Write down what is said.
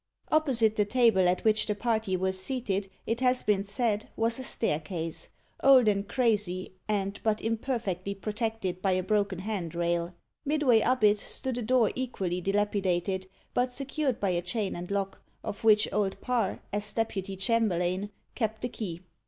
Opposite the table at which the party were seated, it has been said, was a staircase old and crazy, and but imperfectly protected by a broken hand rail. Midway up it stood a door equally dilapidated, but secured by a chain and lock, of which Old Parr, as deputy chamberlain, kept the key.